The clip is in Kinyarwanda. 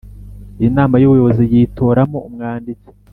Inama y Ubuyobozi yitoramo umwanditsi